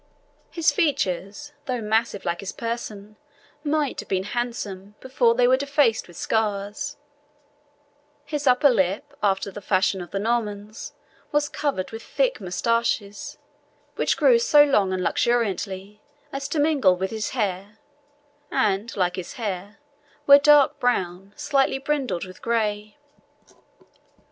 His features, though massive like his person, might have been handsome before they were defaced with scars; his upper lip, after the fashion of the Normans, was covered with thick moustaches, which grew so long and luxuriantly as to mingle with his hair, and, like his hair, were dark brown, slightly brindled with grey.